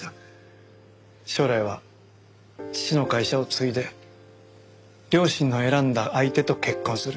将来は父の会社を継いで両親の選んだ相手と結婚する。